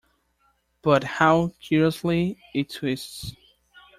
But how curiously it twists!